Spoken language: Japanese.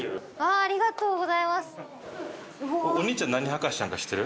ありがとうございます。